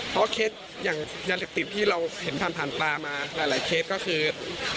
เพราะเคสอย่างยาเสพติดที่เราเห็นผ่านผ่านตามาหลายเคสก็คือ